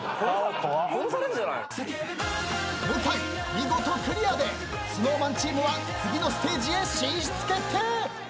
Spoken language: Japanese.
見事クリアでＳｎｏｗＭａｎチームは次のステージへ進出決定。